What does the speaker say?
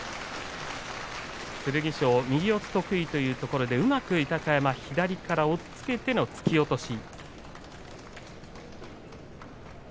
剣翔、右四つ得意というところで豊山うまく左から押っつけての突き落とし。